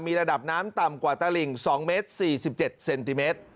ระดับน้ำต่ำกว่าตลิ่ง๒เมตร๔๗เซนติเมตร